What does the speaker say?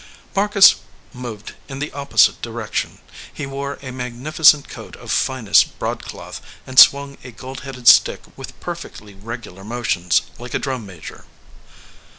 Marcus moved in the opposite direction. He wore a magnificent coat of finest broadcloth and swung a gold headed stick with perfectly regular motions, like a drum major.